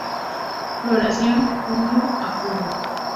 Floración: junio a julio.